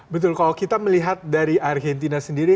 betul kalau kita melihat dari argentina sendiri